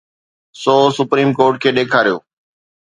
سو supreme court کي ڏيکاريو.